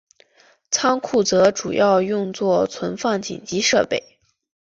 仓库则主要用作存放紧急设备。